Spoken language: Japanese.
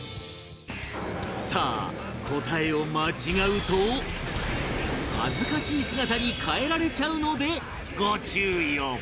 さあ答えを間違うと恥ずかしい姿に変えられちゃうのでご注意を